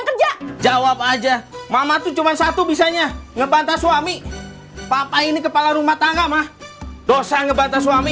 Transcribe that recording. kerja jawab aja mama tuh cuma satu bisanya ngebantah suami papa ini kepala rumah tangga mah dosa ngebantah suami